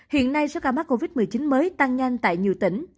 hiện nay số ca mắc covid một mươi chín mới tăng nhanh tại nhiều tỉnh